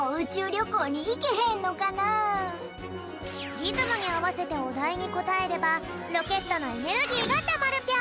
リズムにあわせておだいにこたえればロケットのエネルギーがたまるぴょん。